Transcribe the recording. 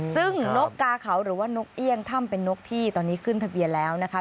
ซึ่งนกกาเขาหรือว่านกเอี่ยงถ้ำเป็นนกที่ตอนนี้ขึ้นทะเบียนแล้วนะคะ